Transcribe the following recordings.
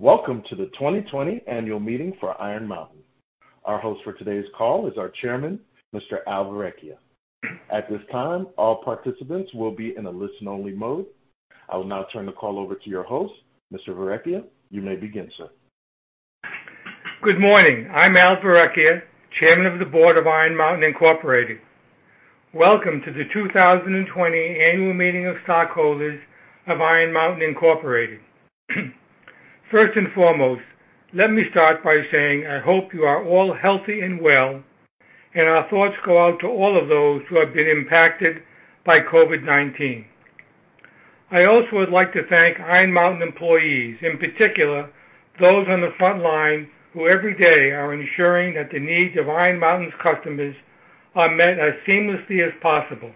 Welcome to the 2020 annual meeting for Iron Mountain. Our host for today's call is our Chairman, Mr. Al Verrecchia. At this time, all participants will be in a listen-only mode. I will now turn the call over to your host. Mr. Verrecchia, you may begin, sir. Good morning. I'm Al Verrecchia, chairman of the board of Iron Mountain Incorporated. Welcome to the 2020 annual meeting of stockholders of Iron Mountain Incorporated. First and foremost, let me start by saying I hope you are all healthy and well, and our thoughts go out to all of those who have been impacted by COVID-19. I also would like to thank Iron Mountain employees, in particular, those on the front line who every day are ensuring that the needs of Iron Mountain's customers are met as seamlessly as possible.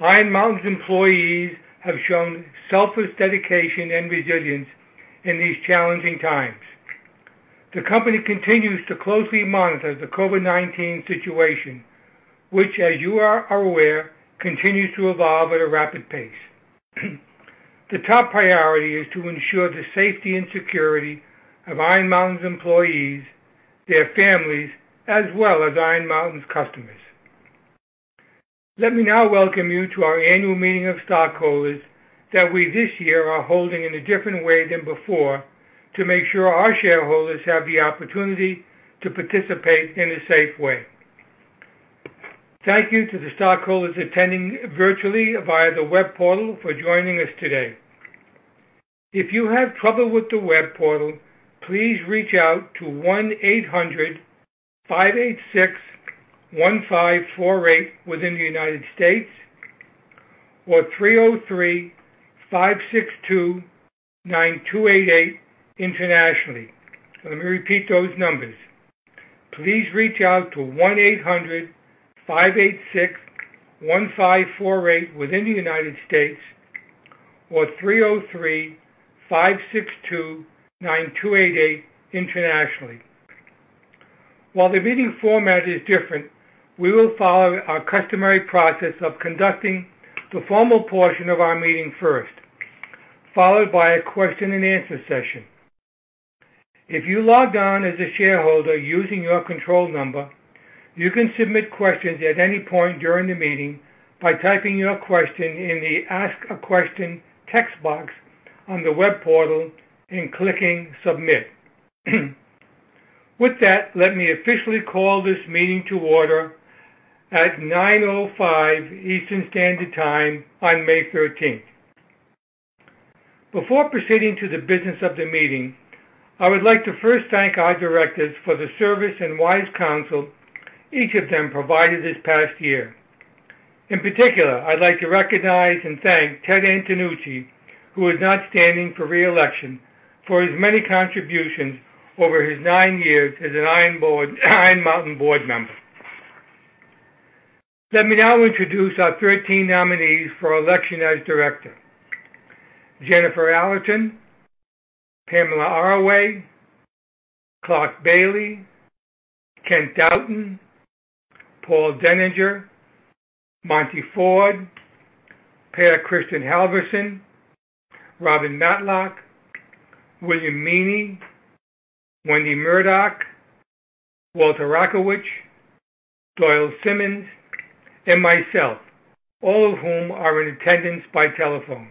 Iron Mountain's employees have shown selfless dedication and resilience in these challenging times. The company continues to closely monitor the COVID-19 situation, which, as you are aware, continues to evolve at a rapid pace. The top priority is to ensure the safety and security of Iron Mountain's employees, their families, as well as Iron Mountain's customers. Let me now welcome you to our annual meeting of stockholders that we this year are holding in a different way than before to make sure our shareholders have the opportunity to participate in a safe way. Thank you to the stockholders attending virtually via the web portal for joining us today. If you have trouble with the web portal, please reach out to 1-800-586-1548 within the United States or 303-562-9288 internationally. Let me repeat those numbers. Please reach out to 1-800-586-1548 within the United States or 303-562-9288 internationally. While the meeting format is different, we will follow our customary process of conducting the formal portion of our meeting first, followed by a question and answer session. If you logged on as a shareholder using your control number, you can submit questions at any point during the meeting by typing your question in the Ask a Question text box on the web portal and clicking Submit. With that, let me officially call this meeting to order at 9:05 A.M. Eastern Standard Time on May 13th. Before proceeding to the business of the meeting, I would like to first thank our directors for the service and wise counsel each of them provided this past year. In particular, I'd like to recognize and thank Ted Antenucci, who is not standing for re-election, for his many contributions over his nine years as an Iron Mountain board member. Let me now introduce our 13 nominees for election as director. Jennifer Allerton, Pamela Arway, Clarke Bailey, Kent Dauten, Paul Deninger, Monte Ford, Per-Kristian Halvorsen, Robin Matlock, William Meaney, Wendy Murdock, Walter Rakowich, Doyle Simons, and myself, all of whom are in attendance by telephone.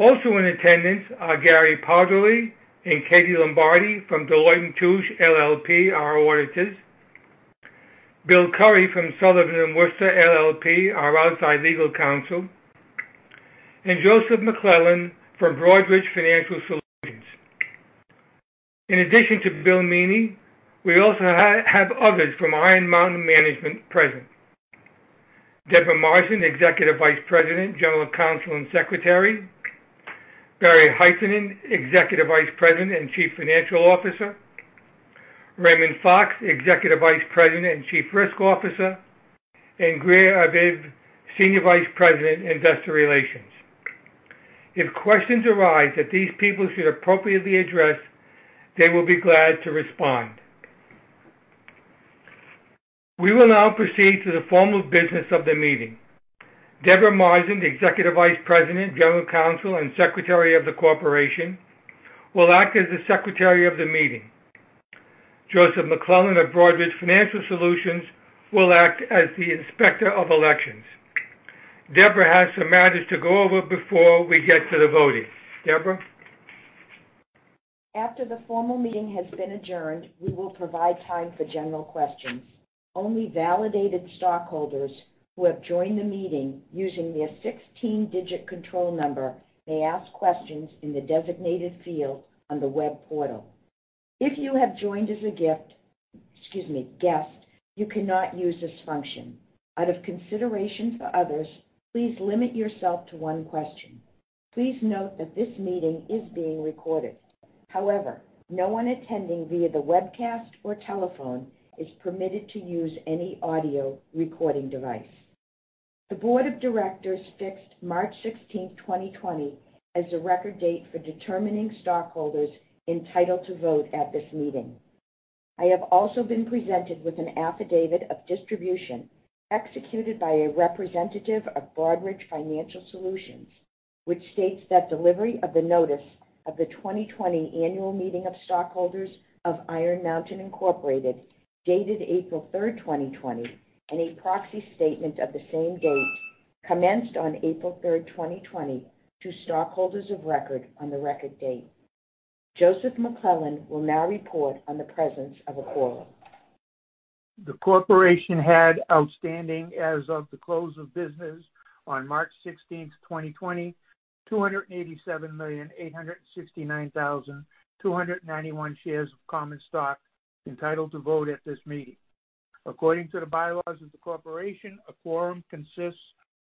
Also in attendance are Gary [Pogorzelski] and Katie Lombardi from Deloitte & Touche LLP, our auditors, Bill Curry from Sullivan & Worcester LLP, our outside legal counsel, and Joseph McClellan from Broadridge Financial Solutions. In addition to Bill Meaney, we also have others from Iron Mountain management present. Deborah Marson, Executive Vice President, General Counsel, and Secretary, Barry Hytinen, Executive Vice President and Chief Financial Officer, Raymond Fox, Executive Vice President and Chief Risk Officer, and Greer Aviv, Senior Vice President, Investor Relations. If questions arise that these people should appropriately address, they will be glad to respond. We will now proceed to the formal business of the meeting. Deborah Marson, the Executive Vice President, General Counsel, and Secretary of the corporation, will act as the secretary of the meeting. Joseph McClellan of Broadridge Financial Solutions will act as the inspector of elections. Deborah has some matters to go over before we get to the voting. Deborah? After the formal meeting has been adjourned, we will provide time for general questions. Only validated stockholders who have joined the meeting using their 16-digit control number may ask questions in the designated field on the web portal. If you have joined as a guest, you cannot use this function. Out of consideration for others, please limit yourself to one question. Please note that this meeting is being recorded. However, no one attending via the webcast or telephone is permitted to use any audio recording device. The board of directors fixed March 16th, 2020, as the record date for determining stockholders entitled to vote at this meeting. I have also been presented with an affidavit of distribution executed by a representative of Broadridge Financial Solutions, which states that delivery of the notice of the 2020 annual meeting of stockholders of Iron Mountain Incorporated, dated April 3rd, 2020, and a proxy statement of the same date, commenced on April 3rd, 2020 to stockholders of record on the record date. Joseph McClellan will now report on the presence of a quorum. The corporation had outstanding as of the close of business on March 16th, 2020, 287,869,291 shares of common stock entitled to vote at this meeting. According to the bylaws of the corporation, a quorum consists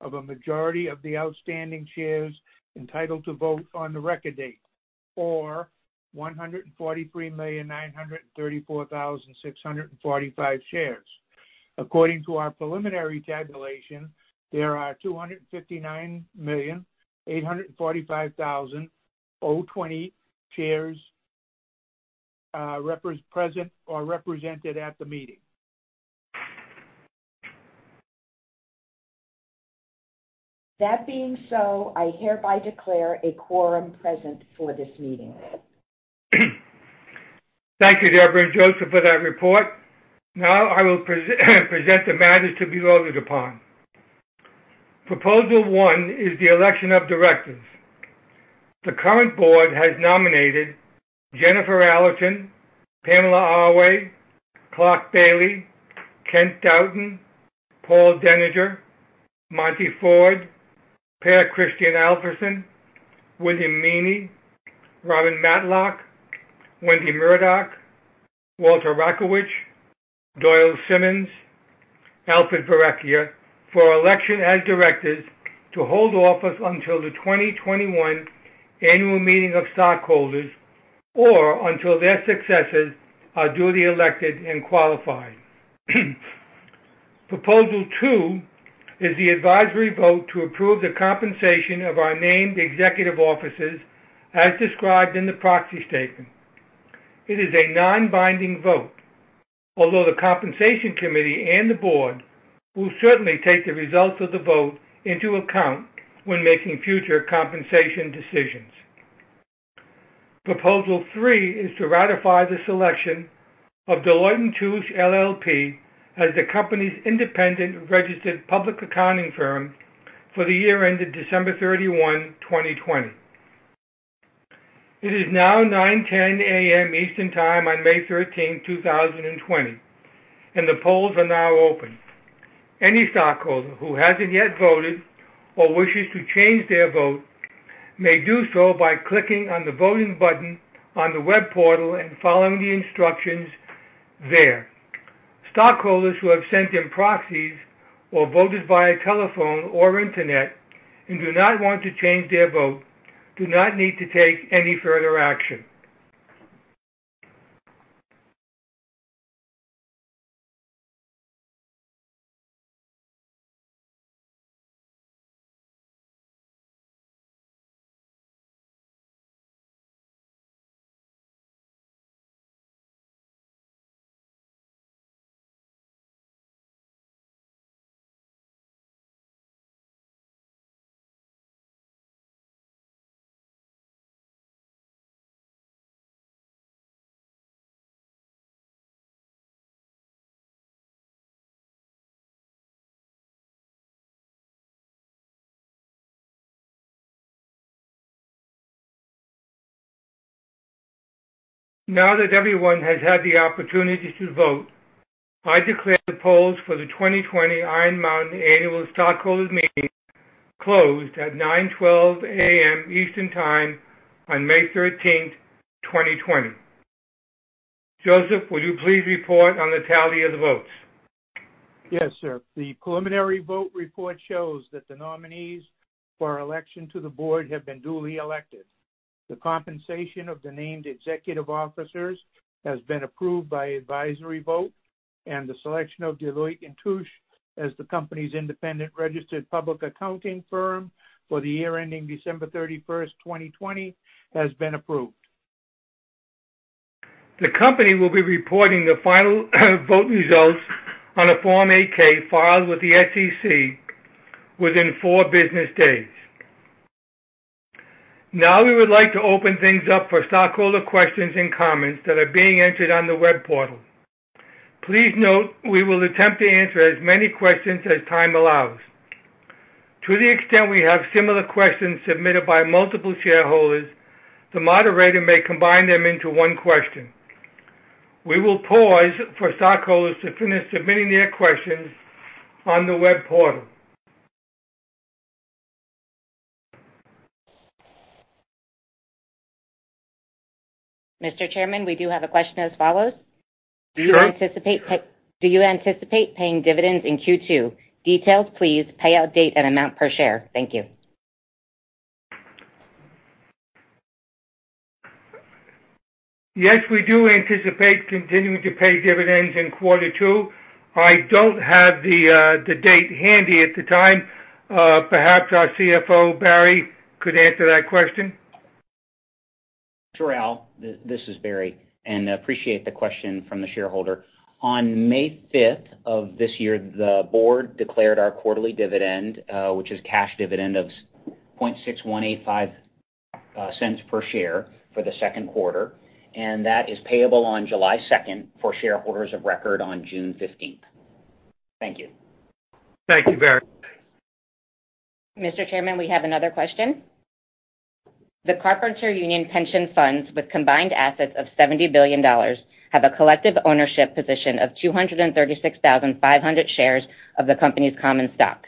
of a majority of the outstanding shares entitled to vote on the record date, or 143,934,645 shares. According to our preliminary tabulation, there are 259,845,020 shares present or represented at the meeting. That being so, I hereby declare a quorum present for this meeting. Thank you, Deborah and Joseph for that report. Now I will present the matters to be voted upon. Proposal 1 is the election of directors. The current board has nominated Jennifer Allerton, Pamela Arway, Clarke Bailey, Kent Dauten, Paul Deninger, Monte Ford, Per-Kristian Halvorsen, William Meaney, Robin Matlock, Wendy Murdock, Walter Rakowich, Doyle Simons, Alfred Verrecchia, for election as directors to hold office until the 2021 annual meeting of stockholders, or until their successors are duly elected and qualified. Proposal 2 is the advisory vote to approve the compensation of our named executive officers as described in the proxy statement. It is a non-binding vote, although the compensation committee and the board will certainly take the results of the vote into account when making future compensation decisions. Proposal 3 is to ratify the selection of Deloitte & Touche LLP as the company's independent registered public accounting firm for the year ended December 31, 2020. It is now 9:10 A.M. Eastern Time on May 13, 2020, and the polls are now open. Any stockholder who hasn't yet voted or wishes to change their vote may do so by clicking on the voting button on the web portal and following the instructions there. Stockholders who have sent in proxies or voted via telephone or internet and do not want to change their vote do not need to take any further action. Now that everyone has had the opportunity to vote, I declare the polls for the 2020 Iron Mountain Annual Stockholders Meeting closed at 9:12 A.M. Eastern Time on May 13, 2020. Joseph, will you please report on the tally of the votes? Yes, sir. The preliminary vote report shows that the nominees for election to the board have been duly elected. The compensation of the named executive officers has been approved by advisory vote, and the selection of Deloitte & Touche as the company's independent registered public accounting firm for the year ending December 31st, 2020, has been approved. The company will be reporting the final vote results on a Form 8-K filed with the SEC within four business days. Now we would like to open things up for stockholder questions and comments that are being entered on the web portal. Please note, we will attempt to answer as many questions as time allows. To the extent we have similar questions submitted by multiple shareholders, the moderator may combine them into one question. We will pause for stockholders to finish submitting their questions on the web portal. Mr. Chairman, we do have a question as follows. Do you. Do you anticipate paying dividends in Q2? Details, please. Payout date and amount per share. Thank you. Yes, we do anticipate continuing to pay dividends in quarter two. I don't have the date handy at the time. Perhaps our CFO, Barry, could answer that question. Sure Al, this is Barry. Appreciate the question from the shareholder. On May 5th of this year, the board declared our quarterly dividend, which is cash dividend of $0.006185 per share for the second quarter, and that is payable on July 2nd for shareholders of record on June 15th. Thank you. Thank you, Barry. Mr. Chairman, we have another question. The Carpenters Union pension funds, with combined assets of $70 billion, have a collective ownership position of 236,500 shares of the company's common stock.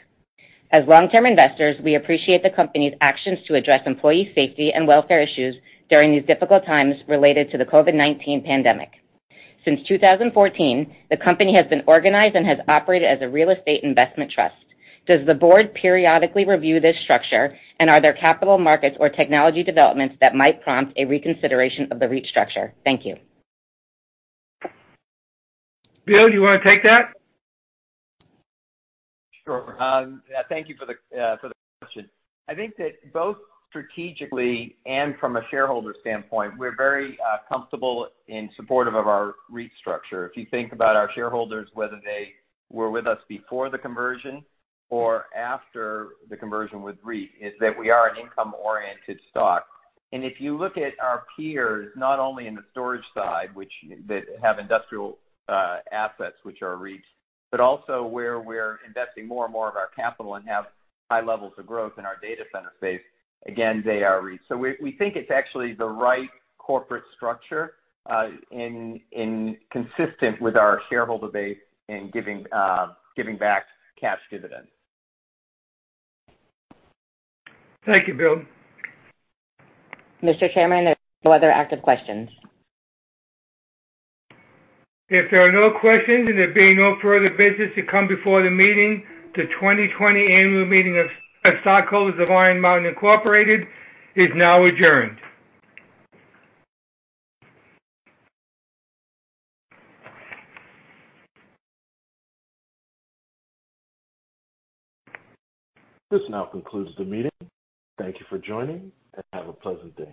As long-term investors, we appreciate the company's actions to address employee safety and welfare issues during these difficult times related to the COVID-19 pandemic. Since 2014, the company has been organized and has operated as a real estate investment trust. Does the board periodically review this structure, are there capital markets or technology developments that might prompt a reconsideration of the REIT structure? Thank you. Bill, you want to take that? Sure. Thank you for the question. I think that both strategically and from a shareholder standpoint, we're very comfortable and supportive of our REIT structure. If you think about our shareholders, whether they were with us before the conversion or after the conversion with REIT, is that we are an income-oriented stock. If you look at our peers, not only in the storage side, that have industrial assets which are REITs, but also where we're investing more and more of our capital and have high levels of growth in our data center space, again, they are REITs. We think it's actually the right corporate structure and consistent with our shareholder base in giving back cash dividends. Thank you, Bill. Mr. Chairman, there's no other active questions. If there are no questions and there being no further business to come before the meeting, the 2020 annual meeting of stockholders of Iron Mountain Incorporated is now adjourned. This now concludes the meeting. Thank you for joining, have a pleasant day.